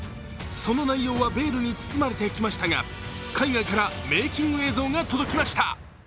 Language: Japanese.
その内容はベールに包まれてきましたが海外からメーキング映像が届きました。